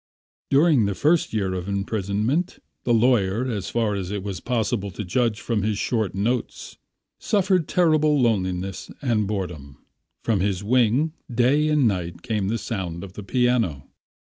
During the first year of imprisonment, the lawyer, as far as it was possible to judge from his short notes, suffered terribly from loneliness and boredom. From his wing day and night came the sound of the piano.